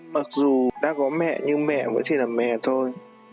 mặc dù đã có mẹ nhưng mẹ vẫn chỉ là mẹ thôi